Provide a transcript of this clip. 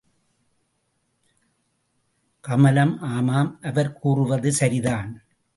கமலம் ஆமாம் அவர் கூறுவது சரிதான்.